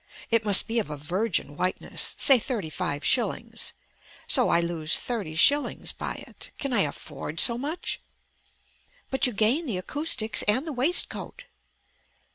It must be of a virgin whiteness. Say thirty five shillings. So I lose thirty shillings by it. Can I afford so much?" "But you gain the acoustics and the waistcoat."